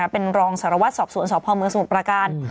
เป็นรองสารวัตรสอบสวนสพเมืองสมุทรประการ